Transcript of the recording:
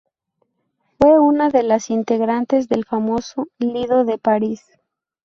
Fue una de las integrantes del famoso Lido de París.